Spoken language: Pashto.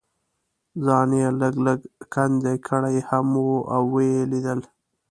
ځای یې لږ لږ کندې کړی هم و او یې لیدل.